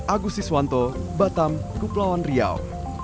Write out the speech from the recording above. agus siswanto batam kuplawan riau